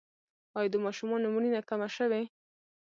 آیا د ماشومانو مړینه کمه شوې؟